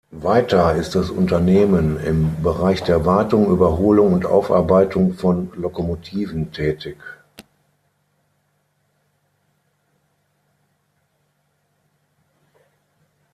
Weiter ist das Unternehmen im Bereich der Wartung, Überholung und Aufarbeitung von Lokomotiven tätig.